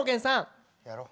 やろう。